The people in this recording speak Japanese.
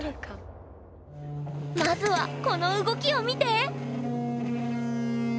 まずはこの動きを見て！